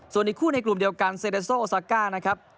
ส่วนอีกคู่ในกลุ่มเดียวกันเซเดโซโอซาก้านะครับ